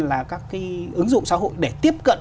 là các cái ứng dụng xã hội để tiếp cận